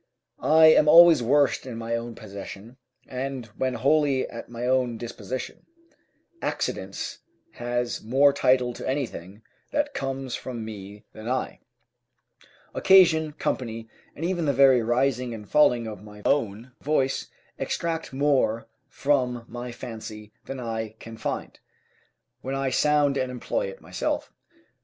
I am always worst in my own possession, and when wholly at my own disposition: accident has more title to anything that comes from me than I; occasion, company, and even the very rising and falling of my own voice, extract more from my fancy than I can find, when I sound and employ it by myself.